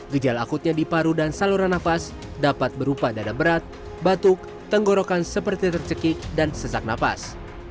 gejala akutnya di paru dan saluran nafas dapat berupa dada berat batuk tenggorokan seperti tercekik dan sesak napas